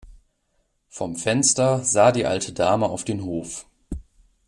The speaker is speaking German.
Vom Fenster sah die alte Dame auf den Hof.